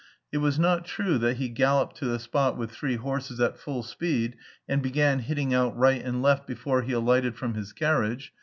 It was not true that he galloped to the spot with three horses at full speed, and began hitting out right and left before he alighted from his carriage.